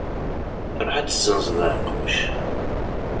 Ruḥ ad tezzenzeḍ aɛeqquc.